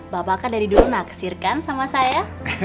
bapak kan dari dulu naksir kan sama saya